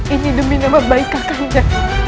ini demi nama baik kakak anda